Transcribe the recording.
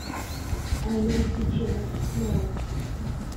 I know he changed mine.